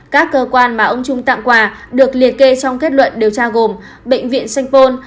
các cơ quan mà ông trung tặng quà được liệt kê trong kết luận điều tra gồm bệnh viện sanh pôn